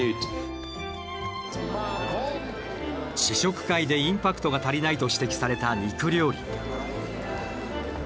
試食会でインパクトが足りないと指摘された肉料理。